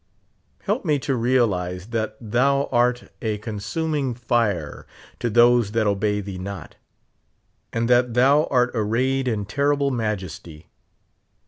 Help me to realize that thou art a con suinhii? fire to those that obey thee not, and that thou art arrayed in terrible majesty.